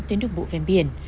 tuyến đường bộ ven biển